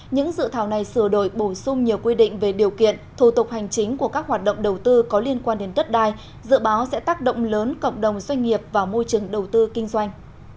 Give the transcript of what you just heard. những dự thảo này sửa đổi bổ sung nhiều quy định về điều kiện thủ tục hành chính của các hoạt động đầu tư có liên quan đến đất đai dự báo sẽ tác động lớn cộng đồng doanh nghiệp và môi trường đầu tư kinh doanh